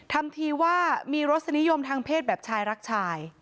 ทำทีว่ามีรสนิยมทางเพศแบบชายรักชาย